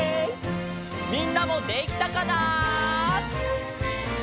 みんなもできたかな？